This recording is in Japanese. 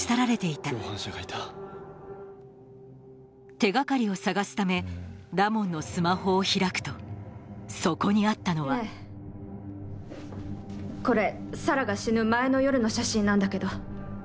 手掛かりを探すためラモンのスマホを開くとそこにあったのはこれサラが死ぬ前の夜の写真なんだけど。